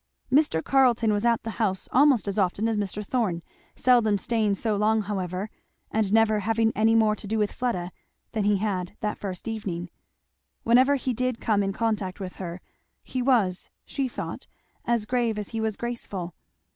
Mr. Carleton was at the house almost as often as Mr. Thorn, seldom staying so long however, and never having any more to do with Fleda than he had that first evening. Whenever he did come in contact with her, he was, she thought, as grave as he was graceful.